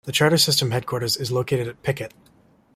The charter system headquarters is located at Pickett.